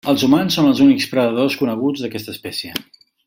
Els humans són els únics predadors coneguts d'aquesta espècie.